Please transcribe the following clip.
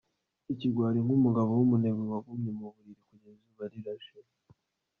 ikigwari nkumugabo wumunebwe wagumye muburiri kugeza izuba rirashe